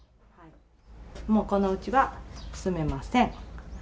もうこのうちは住めません。